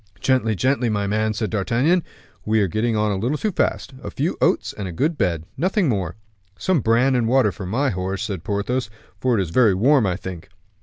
"Gently, gently, my man," said D'Artagnan, "we are getting on a little too fast. A few oats and a good bed nothing more." "Some bran and water for my horse," said Porthos, "for it is very warm, I think."